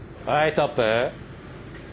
ストップ。